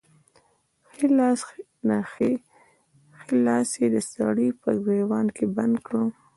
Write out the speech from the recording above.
ښی لاس يې د سړي په ګرېوان کې بند کړ.